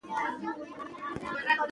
ماشوم له خپلې خور سره کتاب لولي